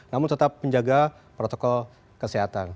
namun tetap menjaga protokol kesehatan